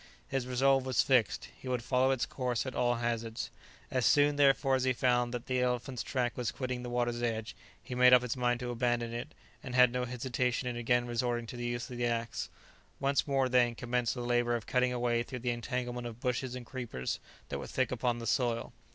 His resolve was fixed: he would follow its course at all hazards. As soon, therefore, as he found that the elephant's track was quitting the water's edge, he made up his mind to abandon it, and had no hesitation in again resorting to the use of the axe. Once more, then, commenced the labour of cutting a way through the entanglement of bushes and creepers that were thick upon the soil.